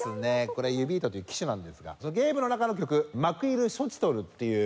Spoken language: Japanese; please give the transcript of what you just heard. これユビートという機種なんですがそのゲームの中の曲『マクイルショチトル』という。